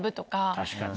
確かにね。